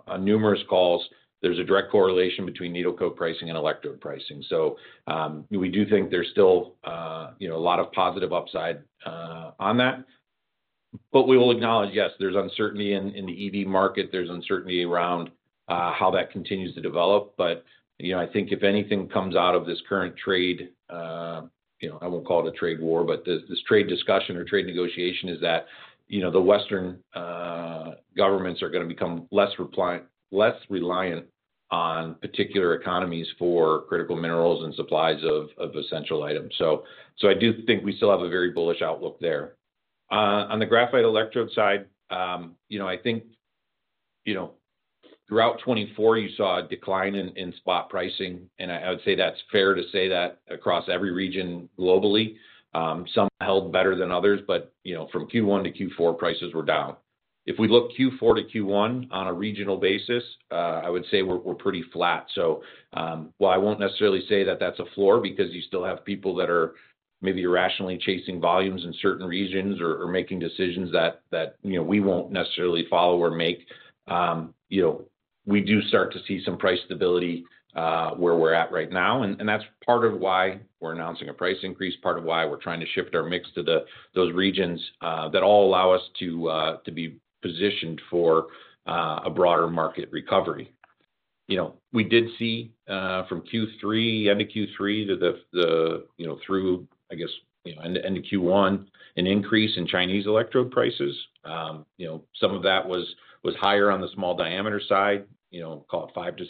on numerous calls, there's a direct correlation between needle coke pricing and electrode pricing. We do think there's still a lot of positive upside on that. We will acknowledge, yes, there's uncertainty in the EV market. There's uncertainty around how that continues to develop. I think if anything comes out of this current trade, I won't call it a trade war, but this trade discussion or trade negotiation is that the Western governments are going to become less reliant on particular economies for critical minerals and supplies of essential items. I do think we still have a very bullish outlook there. On the graphite electrode side, I think throughout 2024, you saw a decline in spot pricing. I would say that's fair to say that across every region globally. Some held better than others, but from Q1 to Q4, prices were down. If we look Q4 to Q1 on a regional basis, I would say we're pretty flat. While I won't necessarily say that that's a floor because you still have people that are maybe irrationally chasing volumes in certain regions or making decisions that we won't necessarily follow or make, we do start to see some price stability where we're at right now. That's part of why we're announcing a price increase, part of why we're trying to shift our mix to those regions that all allow us to be positioned for a broader market recovery. We did see from Q3, end of Q3, through, I guess, end of Q1, an increase in Chinese electrode prices. Some of that was higher on the small diameter side, call it 5% to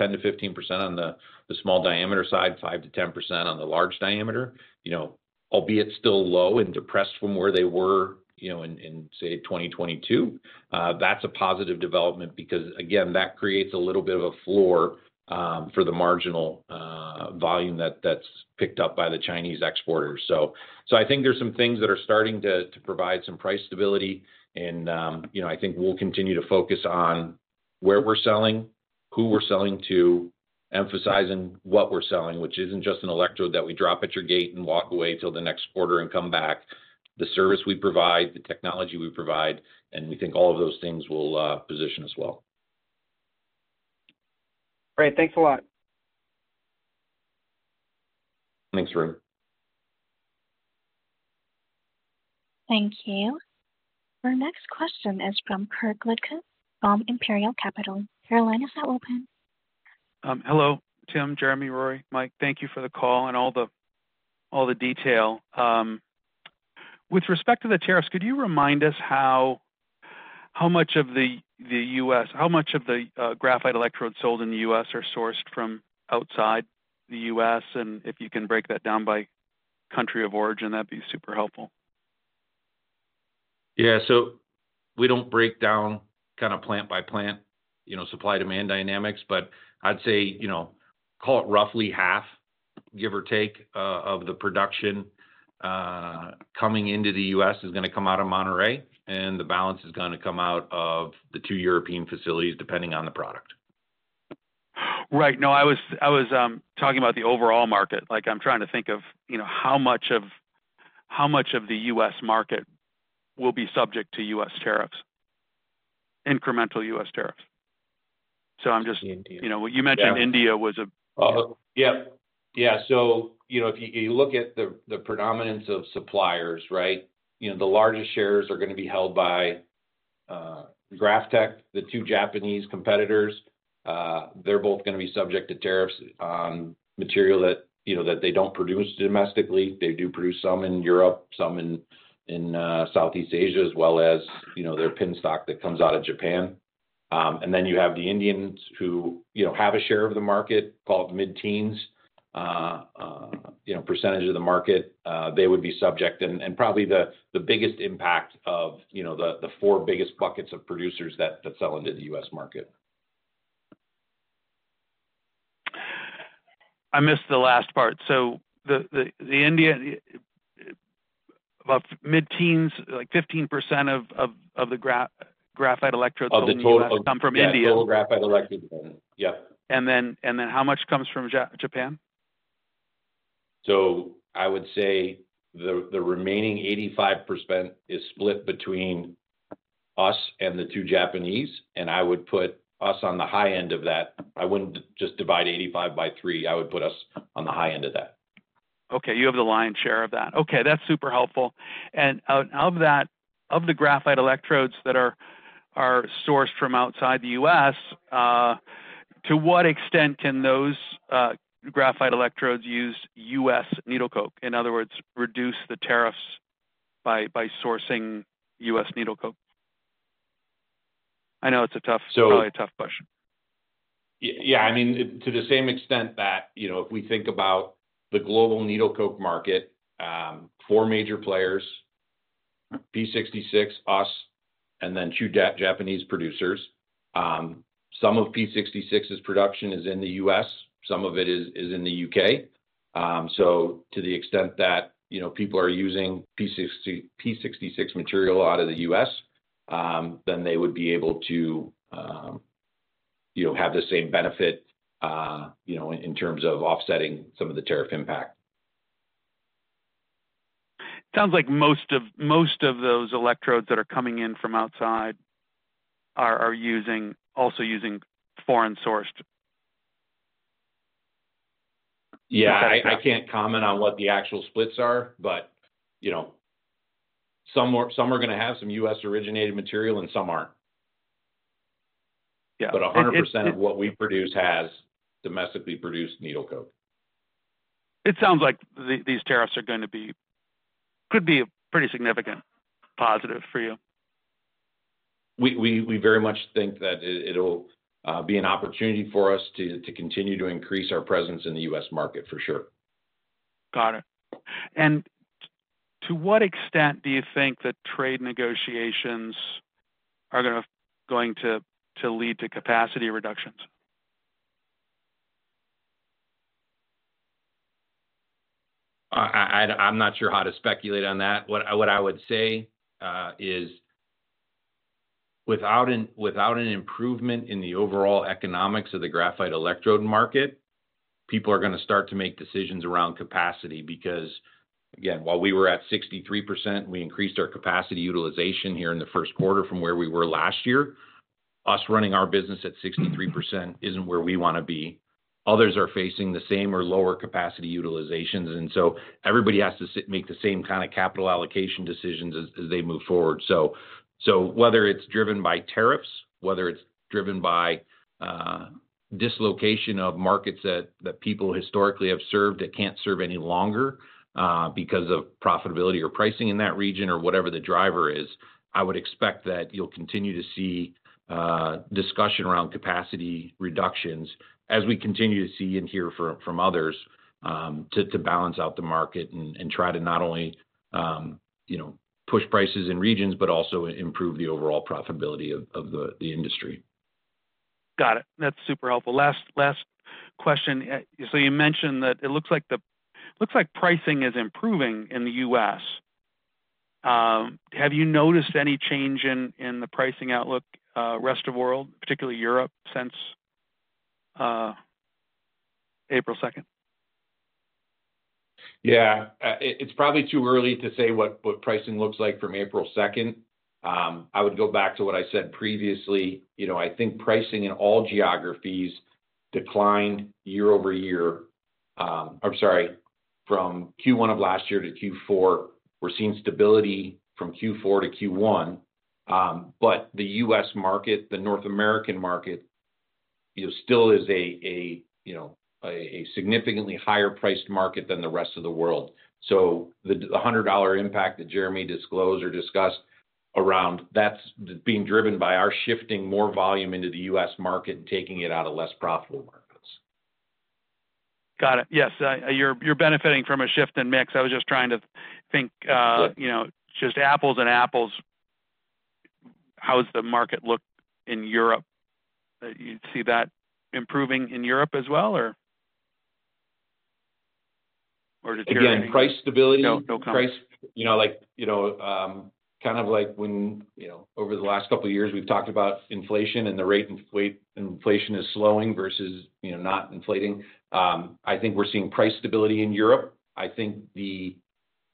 10% to 15% on the small diameter side, 5% to 10% on the large diameter, albeit still low and depressed from where they were in, say, 2022. That's a positive development because, again, that creates a little bit of a floor for the marginal volume that's picked up by the Chinese exporters. I think there's some things that are starting to provide some price stability. I think we'll continue to focus on where we're selling, who we're selling to, emphasizing what we're selling, which isn't just an electrode that we drop at your gate and walk away till the next quarter and come back. The service we provide, the technology we provide, and we think all of those things will position us well. Great. Thanks a lot. Thanks, Arun. Thank you. Our next question is from Kirk Ludtke from Imperial Capital. Kirk, you line is open? Hello. Tim, Jeremy, Rory, Mike, thank you for the call and all the detail. With respect to the tariffs, could you remind us how much of the U.S., how much of the graphite electrodes sold in the U.S. are sourced from outside the U.S.? And if you can break that down by country of origin, that'd be super helpful. Yeah. We do not break down kind of plant by plant supply-demand dynamics, but I would say call it roughly half, give or take, of the production coming into the U.S. is going to come out of Monterrey, and the balance is going to come out of the two European facilities, depending on the product. Right. No, I was talking about the overall market. I'm trying to think of how much of the U.S. market will be subject to U.S. tariffs, incremental U.S. tariffs. I'm just. Indian. You mentioned India was a. Yeah. Yeah. If you look at the predominance of suppliers, right, the largest shares are going to be held by GrafTech, the two Japanese competitors. They're both going to be subject to tariffs on material that they don't produce domestically. They do produce some in Europe, some in Southeast Asia, as well as their pin stock that comes out of Japan. Then you have the Indians who have a share of the market, call it mid-teens % of the market. They would be subject and probably the biggest impact of the four biggest buckets of producers that sell into the U.S. market. I missed the last part. The India, about mid-teens, like 15% of the graphite electrodes will be coming from India. Oh, the total graphite electrodes? Yeah. How much comes from Japan? I would say the remaining 85% is split between us and the two Japanese. I would put us on the high end of that. I would not just divide 85 by 3. I would put us on the high end of that. Okay. You have the lion's share of that. Okay. That's super helpful. Of the graphite electrodes that are sourced from outside the U.S., to what extent can those graphite electrodes use U.S. needle coke? In other words, reduce the tariffs by sourcing U.S. needle coke? I know it's probably a tough question. Yeah. I mean, to the same extent that if we think about the global needle coke market, four major players: P66, us, and then two Japanese producers. Some of P66's production is in the U.S. Some of it is in the U.K. To the extent that people are using P66 material out of the U.S., they would be able to have the same benefit in terms of offsetting some of the tariff impact. It sounds like most of those electrodes that are coming in from outside are also using foreign-sourced. Yeah. I can't comment on what the actual splits are, but some are going to have some U.S.-originated material and some aren't. But 100% of what we produce has domestically produced needle coke. It sounds like these tariffs could be a pretty significant positive for you. We very much think that it'll be an opportunity for us to continue to increase our presence in the U.S. market, for sure. Got it. To what extent do you think that trade negotiations are going to lead to capacity reductions? I'm not sure how to speculate on that. What I would say is without an improvement in the overall economics of the graphite electrode market, people are going to start to make decisions around capacity because, again, while we were at 63%, we increased our capacity utilization here in the Q1 from where we were last year. Us running our business at 63% isn't where we want to be. Others are facing the same or lower capacity utilizations. Everybody has to make the same kind of capital allocation decisions as they move forward. Whether it's driven by tariffs, whether it's driven by dislocation of markets that people historically have served that can't serve any longer because of profitability or pricing in that region or whatever the driver is, I would expect that you'll continue to see discussion around capacity reductions as we continue to see and hear from others to balance out the market and try to not only push prices in regions, but also improve the overall profitability of the industry. Got it. That's super helpful. Last question. You mentioned that it looks like pricing is improving in the U.S. Have you noticed any change in the pricing outlook rest of the world, particularly Europe, since April 2nd? Yeah. It's probably too early to say what pricing looks like from April 2nd. I would go back to what I said previously. I think pricing in all geographies declined year over year. I'm sorry. From Q1 of last year to Q4, we're seeing stability from Q4 to Q1. The U.S. market, the North American market, still is a significantly higher-priced market than the rest of the world. The $100 impact that Jeremy disclosed or discussed around that's being driven by our shifting more volume into the U.S. market and taking it out of less profitable markets. Got it. Yes. You're benefiting from a shift in mix. I was just trying to think just apples and apples. How does the market look in Europe? You see that improving in Europe as well, or did you hear that? Again, price stability. No, no comment. Price, kind of like when over the last couple of years, we've talked about inflation and the rate inflation is slowing versus not inflating. I think we're seeing price stability in Europe. I think the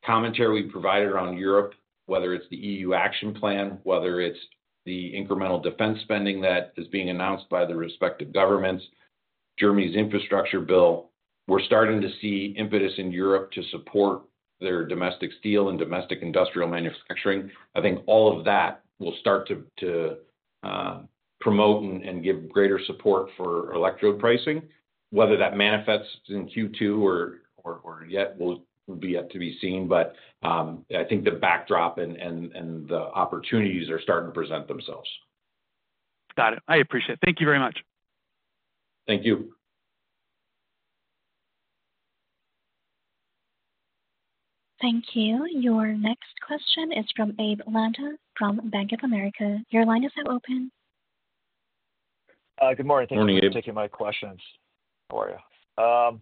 commentary we provided around Europe, whether it's the EU action plan, whether it's the incremental defense spending that is being announced by the respective governments, Germany's infrastructure bill, we're starting to see impetus in Europe to support their domestic steel and domestic industrial manufacturing. I think all of that will start to promote and give greater support for electrode pricing. Whether that manifests in Q2 or yet will be yet to be seen. I think the backdrop and the opportunities are starting to present themselves. Got it. I appreciate it. Thank you very much. Thank you. Thank you. Your next question is from Abe Landa from Bank of America. Your line is now open. Good morning. Thank you for taking my questions. How are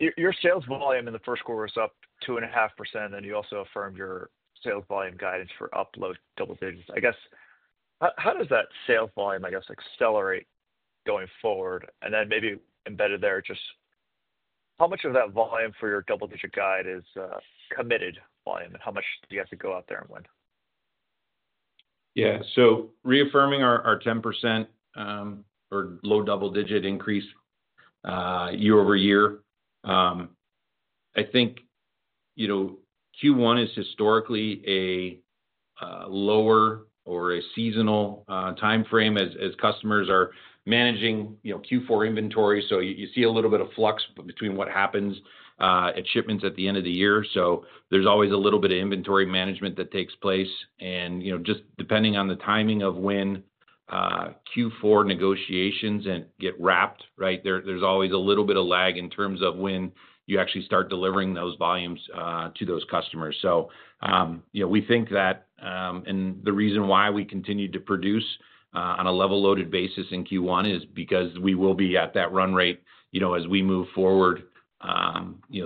you? Your sales volume in the Q1 was up 2.5%, and you also affirmed your sales volume guidance for upward double digits. I guess, how does that sales volume, I guess, accelerate going forward? Maybe embedded there, just how much of that volume for your double-digit guide is committed volume? How much do you have to go out there and win? Yeah. Reaffirming our 10% or low double-digit increase year over year. I think Q1 is historically a lower or a seasonal timeframe as customers are managing Q4 inventory. You see a little bit of flux between what happens at shipments at the end of the year. There is always a little bit of inventory management that takes place. Just depending on the timing of when Q4 negotiations get wrapped, right, there is always a little bit of lag in terms of when you actually start delivering those volumes to those customers. We think that, and the reason why we continue to produce on a level loaded basis in Q1 is because we will be at that run rate as we move forward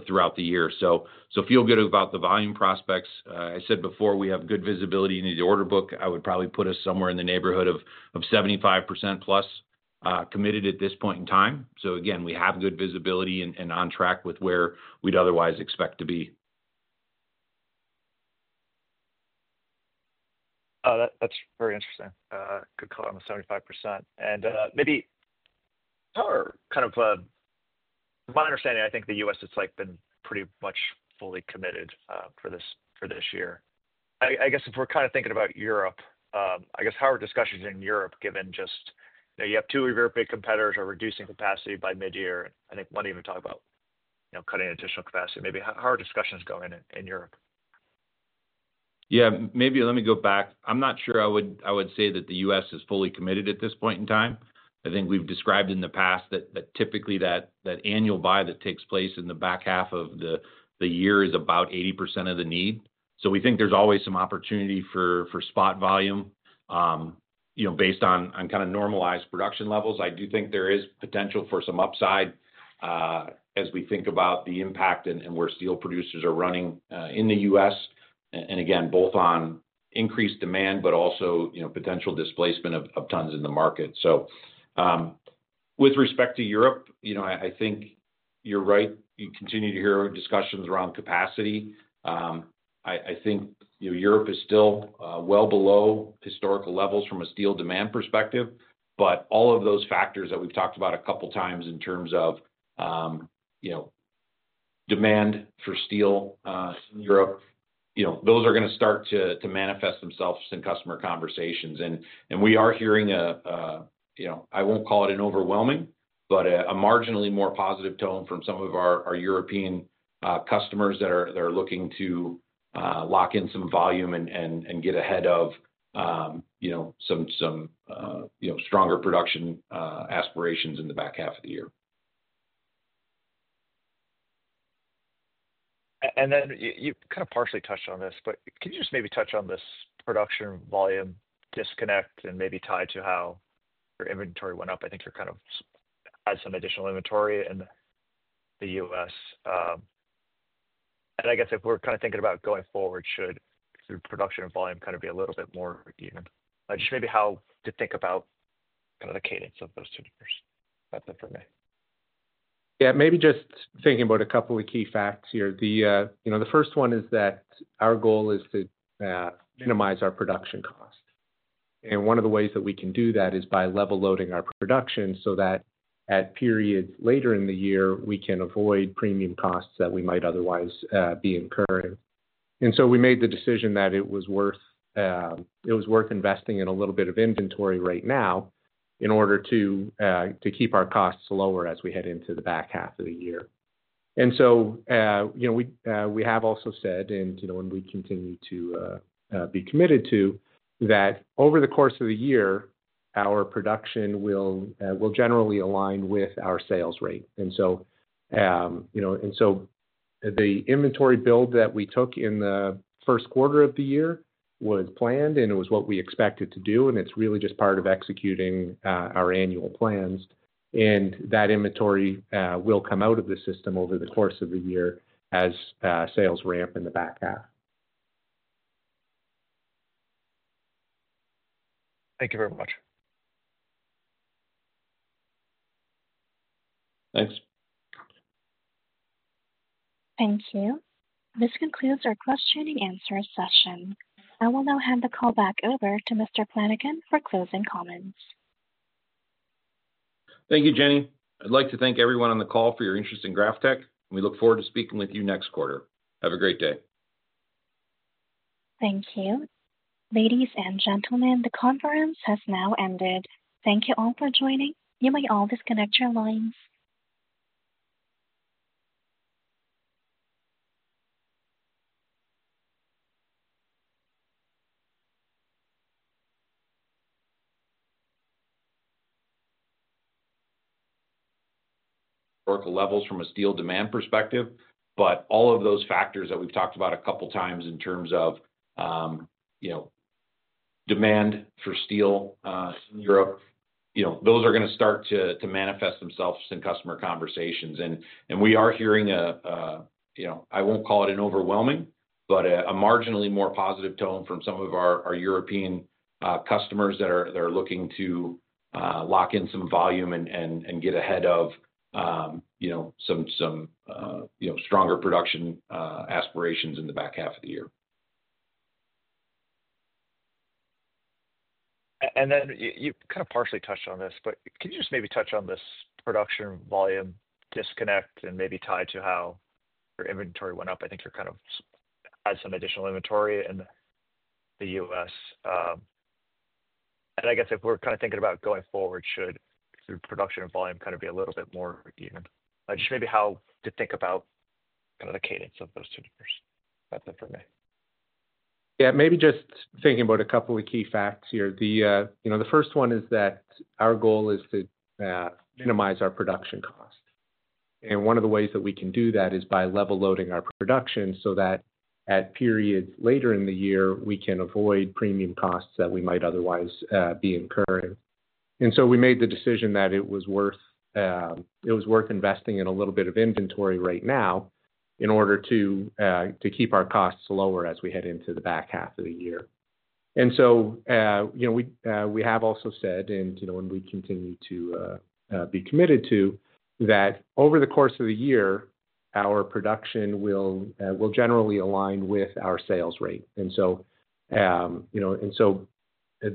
throughout the year. Feel good about the volume prospects. I said before we have good visibility into the order book. I would probably put us somewhere in the neighborhood of 75%+ committed at this point in time. We have good visibility and on track with where we'd otherwise expect to be. That's very interesting. Good call on the 75%. Maybe kind of my understanding, I think the U.S. has been pretty much fully committed for this year. I guess if we're kind of thinking about Europe, I guess how are discussions in Europe, given just you have two of your big competitors are reducing capacity by mid-year, and I think one even talked about cutting additional capacity. Maybe how are discussions going in Europe? Yeah. Maybe let me go back. I'm not sure I would say that the U.S. is fully committed at this point in time. I think we've described in the past that typically that annual buy that takes place in the back half of the year is about 80% of the need. We think there's always some opportunity for spot volume based on kind of normalized production levels. I do think there is potential for some upside as we think about the impact and where steel producers are running in the U.S. Again, both on increased demand, but also potential displacement of tons in the market. With respect to Europe, I think you're right. You continue to hear discussions around capacity. I think Europe is still well below historical levels from a steel demand perspective. All of those factors that we've talked about a couple of times in terms of demand for steel in Europe, those are going to start to manifest themselves in customer conversations. We are hearing a, I won't call it an overwhelming, but a marginally more positive tone from some of our European customers that are looking to lock in some volume and get ahead of some stronger production aspirations in the back half of the year. You kind of partially touched on this, but can you just maybe touch on this production volume disconnect and maybe tie to how your inventory went up? I think you're kind of adding some additional inventory in the U.S. I guess if we're kind of thinking about going forward, should the production volume kind of be a little bit more even? Just maybe how to think about kind of the cadence of those two numbers. That's it for me. Yeah. Maybe just thinking about a couple of key facts here. The first one is that our goal is to minimize our production cost. One of the ways that we can do that is by level loading our production so that at periods later in the year, we can avoid premium costs that we might otherwise be incurring. We made the decision that it was worth investing in a little bit of inventory right now in order to keep our costs lower as we head into the back half of the year. We have also said, and we continue to be committed to, that over the course of the year, our production will generally align with our sales rate. The inventory build that we took in the Q1 of the year was planned, and it was what we expected to do. It is really just part of executing our annual plans. That inventory will come out of the system over the course of the year as sales ramp in the back half. Thank you very much. Thanks. Thank you. This concludes our question and answer session. I will now hand the call back over to Mr. Flanagan for closing comments. Thank you, Jenny. I'd like to thank everyone on the call for your interest in GrafTech. We look forward to speaking with you next quarter. Have a great day. Thank you. Ladies and gentlemen, the conference has now ended. Thank you all for joining. You may all disconnect your lines. Work levels from a steel demand perspective, but all of those factors that we've talked about a couple of times in terms of demand for steel in Europe, those are going to start to manifest themselves in customer conversations. We are hearing, I won't call it an overwhelming, but a marginally more positive tone from some of our European customers that are looking to lock in some volume and get ahead of some stronger production aspirations in the back half of the year. You kind of partially touched on this, but can you just maybe touch on this production volume disconnect and maybe tie to how your inventory went up? I think you're kind of adding some additional inventory in the U.S. I guess if we're kind of thinking about going forward, should the production volume kind of be a little bit more even? Just maybe how to think about kind of the cadence of those two numbers. That's it for me. Yeah. Maybe just thinking about a couple of key facts here. The first one is that our goal is to minimize our production cost. One of the ways that we can do that is by level loading our production so that at periods later in the year, we can avoid premium costs that we might otherwise be incurring. We made the decision that it was worth investing in a little bit of inventory right now in order to keep our costs lower as we head into the back half of the year. We have also said, and we continue to be committed to, that over the course of the year, our production will generally align with our sales rate.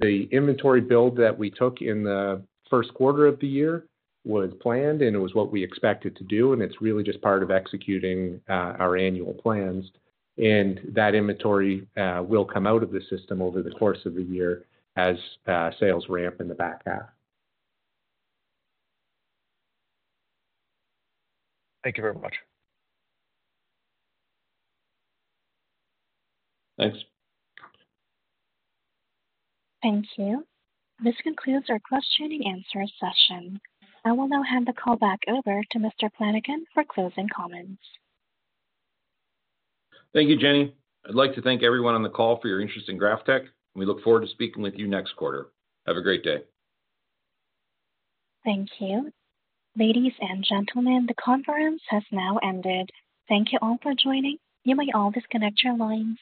The inventory build that we took in the Q1 of the year was planned, and it was what we expected to do. It is really just part of executing our annual plans. That inventory will come out of the system over the course of the year as sales ramp in the back half. Thank you very much. Thanks. Thank you. This concludes our question and answer session. I will now hand the call back over to Mr. Flanagan for closing comments. Thank you, Jenny. I'd like to thank everyone on the call for your interest in GrafTech. We look forward to speaking with you next quarter. Have a great day. Thank you. Ladies and gentlemen, the conference has now ended. Thank you all for joining. You may all disconnect your lines.